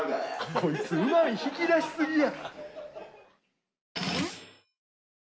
こいつうまみ引き出しすぎやろ。